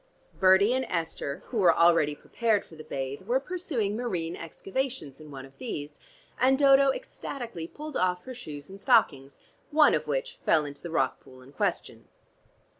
Bertie and Esther who were already prepared for the bathe were pursuing marine excavations in one of these, and Dodo ecstatically pulled off her shoes and stockings, one of which fell into the rock pool in question.